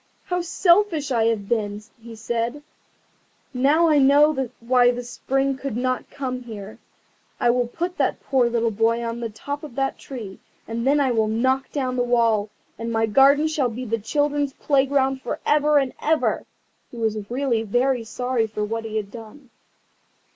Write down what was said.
"How selfish I have been!" he said; "now I know why the Spring would not come here. I will put that poor little boy on the top of the tree, and then I will knock down the wall, and my garden shall be the children's playground for ever and ever." He was really very sorry for what he had done.